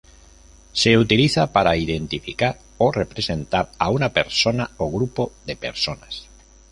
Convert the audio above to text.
Se utiliza para identificar o representar a una persona o grupo de personas.